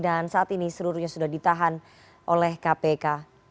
dan saat ini seluruhnya sudah ditahan oleh kpk